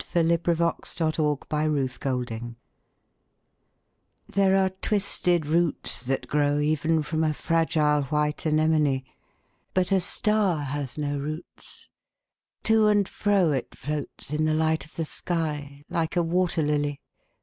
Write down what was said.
DiqllzodbvCoOgle STAR SONG These are twisted roots that grow Even from a fragile white anemone. 'But a star has no roots : to and fro It floats in the light of the sky, like a wat«r ]ily.